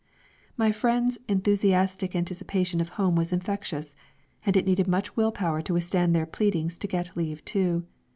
My friends' enthusiastic anticipation of home was infectious, and it needed much will power to withstand their pleadings to get leave too.